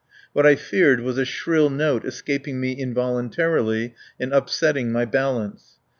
What I feared was a shrill note escaping me involuntarily and upsetting my balance.